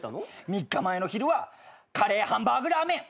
３日前の昼はカレーハンバーグラーメン。